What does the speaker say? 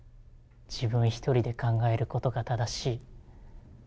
自分１人で考えることが正しい。